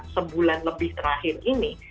sebulan lebih terakhir ini